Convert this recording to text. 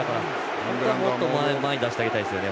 本当はもっと前に出してあげたいですね